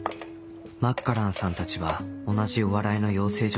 マッカランさんたちは同じお笑いの養成所